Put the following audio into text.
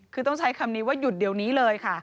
คือต้องใช้คำนี้ว่าหยุดเดี๋ยวนี้เลยค่ะ